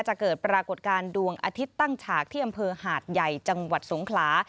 เกิดปรากฏการณ์ดวงอาทิตย์ตั้งฉากที่อำเภอหาดใหญ่จังหวัดสงขลา